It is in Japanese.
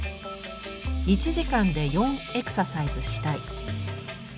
１時間で４エクササイズしたい。